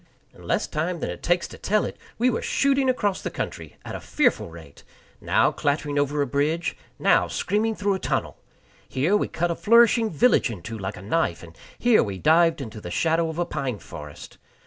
In less time than it takes to tell it, we were shooting across the country at a fearful rate now clattering over a bridge, now screaming through a tunnel; here we cut a flourishing village in two, like a knife, and here we dived into the shadow of a pine forest.